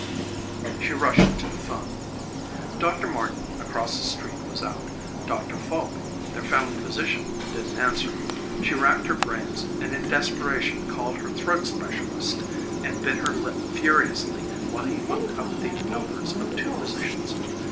She rushed to the 'phone. Doctor Martin across the street was out. Doctor Foulke, their family physician, didn't answer. She racked her brains and in desperation called her throat specialist, and bit her lip furiously while he looked up the numbers of two physicians.